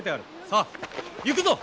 さあ行くぞ！